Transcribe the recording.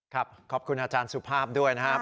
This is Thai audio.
ขอบคุณอาจารย์สุภาพด้วยนะครับ